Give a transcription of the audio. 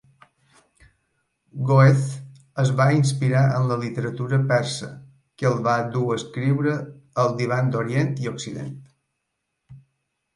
Goethe es va inspirar en la literatura persa, que el va dur a escriure "El divan d'Orient i Occident".